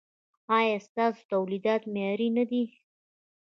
ایا ستاسو تولیدات معیاري نه دي؟